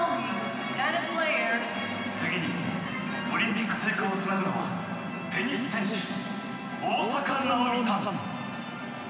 次にオリンピック聖火をつなぐのはテニス選手、大坂なおみさん。